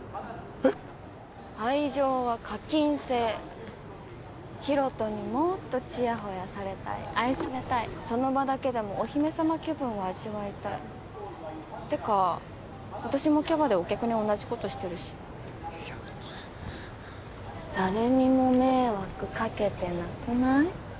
愛情は課金制ヒロトにもっとちやほやされたい愛されたいその場だけでもお姫様気分を味わいたいてか私もキャバでお客に同じことしてるしいや誰にも迷惑かけてなくない？